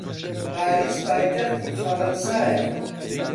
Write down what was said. پاریس پایتەختی فەڕەنسایە.